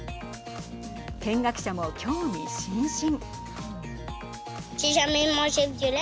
見学者も興味津々。